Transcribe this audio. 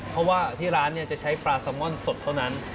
เพราะว่าที่ร้านจะใช้ปลาซามอนสดเท่านั้น